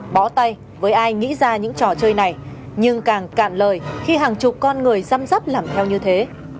bó tay với ai nghĩ ra những trò chơi này nhưng càng cạn lời khi hàng chục con người dăm dắt làm theo như thế